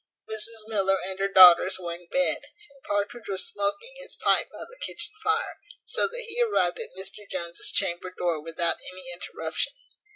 Mrs Miller and her daughters were in bed, and Partridge was smoaking his pipe by the kitchen fire; so that he arrived at Mr Jones's chamber door without any interruption.